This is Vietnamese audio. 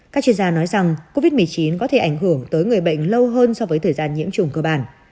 các chuyên gia nói rằng covid một mươi chín có thể ảnh hưởng tới người bệnh lâu hơn so với thời gian nhiễm trùng cơ bản